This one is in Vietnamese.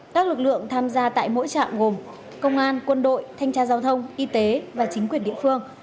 các lực lượng tham gia tại mỗi trạm gồm công an quân đội thanh tra giao thông y tế và chính quyền địa phương